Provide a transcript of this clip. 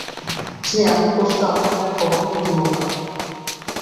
কিন্তু এমন কষ্ট আমাকে আর কখনো দিয়ো না।